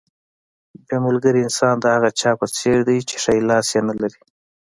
بې ملګري انسان د هغه چا په څېر دی چې ښی لاس نه لري.